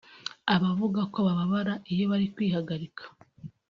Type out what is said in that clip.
Abavuga ko bababara iyo bari kwihagarika